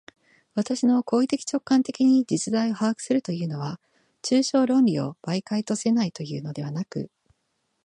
私の行為的直観的に実在を把握するというのは、抽象論理を媒介とせないというのではなく、